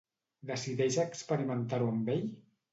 Decideix experimentar-ho amb ell?